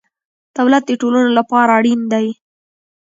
دولت د ټولنو لپاره اړین دی.